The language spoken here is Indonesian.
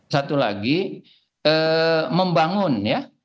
satu lagi membangun ya